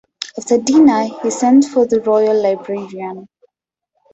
After dinner he sent for the Royal Librarian.